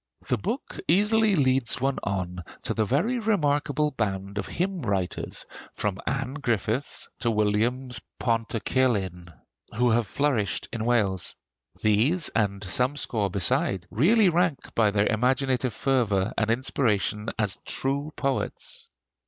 The book easily leads one on to the very remarkable band of hymn writers, from Anne Griffiths to Williams Pantycelyn, who have flourished in Welsh. These, and some score beside, really rank by their imaginative fervor and inspiration as true poets.